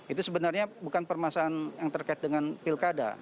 itu sebenarnya bukan permasalahan yang terkait dengan pilkada